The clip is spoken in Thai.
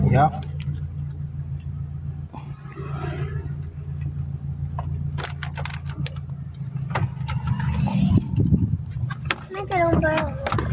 ไม่ได้โดนเบอร์